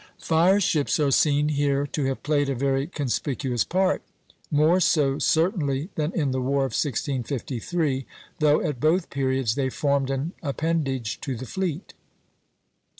Fire ships are seen here to have played a very conspicuous part, more so certainly than in the war of 1653, though at both periods they formed an appendage to the fleet.